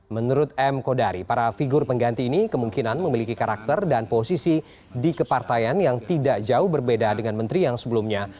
menurut m kodari para figur pengganti ini kemungkinan memiliki karakter dan posisi di kepartaian yang tidak jauh berbeda dengan menteri yang sebelumnya